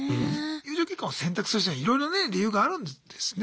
友情結婚を選択する人にはいろいろね理由があるんですね。